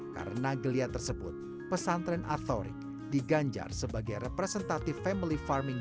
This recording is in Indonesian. karena geliat tersebut pesantren altuarik diganjar sebagai representatif family farming